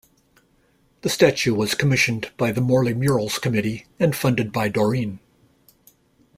The statue was commissioned by the Morley Murals Committee and funded by Doreen.